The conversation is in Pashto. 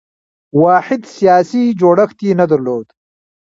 واحد سیاسي جوړښت یې نه درلود.